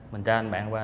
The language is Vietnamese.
mình tra lên mạng qua